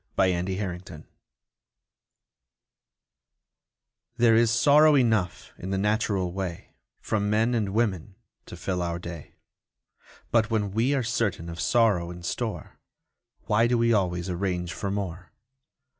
THE POWER OF THE DOG There is sorrow enough in the natural way From men and women to fill our day; But when we are certain of sorrow in store, Why do we always arrange for more?